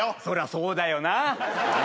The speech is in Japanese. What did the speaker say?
そりゃそうだよな。